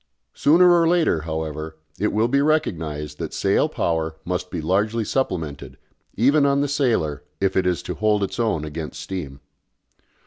Sooner or later, however, it will be recognised that sail power must be largely supplemented, even on the "sailer," if it is to hold its own against steam.